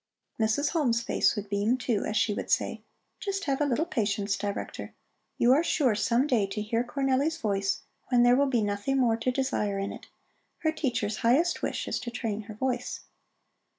Mrs. Halm's face would beam, too, as she would say: "Just have a little patience, Director. You are sure some day to hear Cornelli's voice when there will be nothing more to desire in it. Her teacher's highest wish is to train her voice."